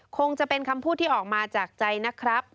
คงจะเป็นคำพูดที่ออกมาจากใจนะครับ